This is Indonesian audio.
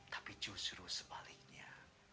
tapi justru sebaliknya